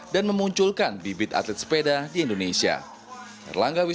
dan memunculkan bibit atlet sepeda yang lebih menarik